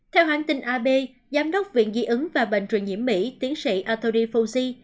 theo hãng tin ab giám đốc viện ghi ứng và bệnh truyền nhiễm mỹ tiến sĩ anthony fauci